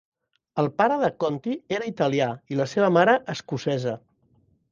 El pare de Conti era italià i la seva mare escocesa.